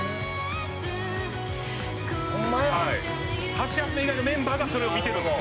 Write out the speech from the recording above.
「ハシヤスメ以外のメンバーがそれを見てるんですよ」